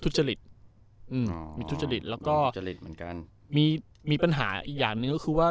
ทุจริตอืมมีทุจริตแล้วก็ทุจริตเหมือนกันมีมีปัญหาอีกอย่างหนึ่งก็คือว่า